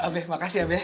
be makasih ya be